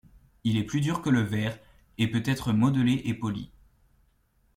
Il est plus dur que le verre et peut être modelé et poli.